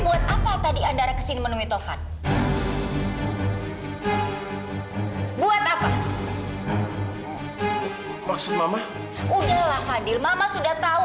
buat apa tadi andara kesini menemui tovan buat apa maksud mama udahlah fadil mama sudah tahu